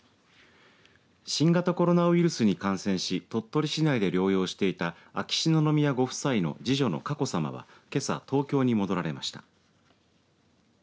新型コロナウイルスに感染し鳥取市内で療養していた秋篠宮ご夫妻の次女の佳子さまはけさ、東京に戻られました。